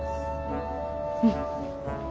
うん。